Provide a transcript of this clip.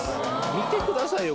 見てくださいよ